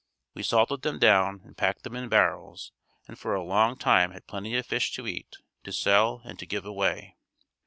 We salted them down and packed them in barrels and for a long time had plenty of fish to eat, to sell and to give away.